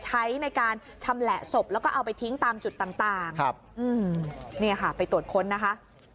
ใช้ในการชำแหละศพแล้วก็เอาไปทิ้งตามจุดต่างเนี่ยค่ะไปตรวจค้นนะคะ